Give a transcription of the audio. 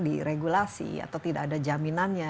diregulasi atau tidak ada jaminannya